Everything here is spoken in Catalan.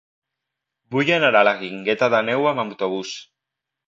Vull anar a la Guingueta d'Àneu amb autobús.